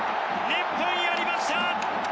日本、やりました！